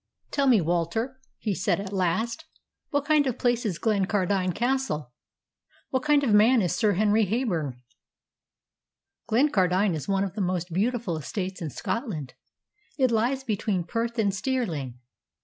"Tell me, Walter," he said at last, "what kind of place is Glencardine Castle? What kind of man is Sir Henry Heyburn?" "Glencardine is one of the most beautiful estates in Scotland. It lies between Perth and Stirling.